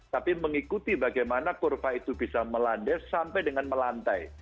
tapi mengikuti bagaimana kurva itu bisa melandai sampai dengan melantai